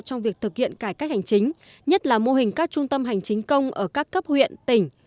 trong việc thực hiện cải cách hành chính nhất là mô hình các trung tâm hành chính công ở các cấp huyện tỉnh